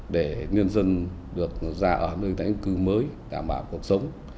để nhân dân được ra ở nơi đánh cư mới đảm bảo cuộc sống